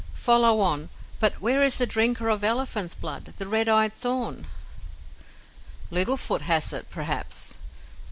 "Follow on. But where is the drinker of elephant's blood the red eyed thorn?" "Little Foot has it perhaps.